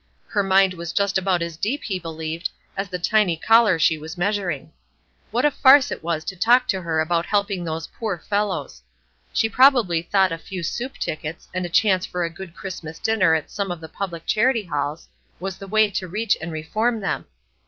Her mind was just about as deep, he believed, as the tiny collar she was measuring. What a farce it was to talk to her about helping those poor fellows! She probably thought a few soup tickets, and a chance for a good Christmas dinner at some of the public charity halls, was the way to reach and reform them.